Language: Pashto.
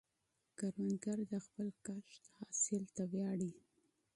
کروندګر د خپل کښت حاصل ته ویاړي